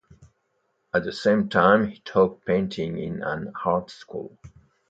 At the same time he taught painting in an art school.